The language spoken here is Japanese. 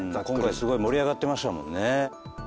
今回すごい盛り上がってましたもんね。